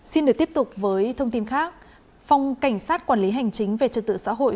xin được tiếp tục với thông tin khác phòng cảnh sát quản lý hành chính về trật tự xã hội